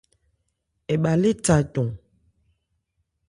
Ɛ bha lé tha cɔn.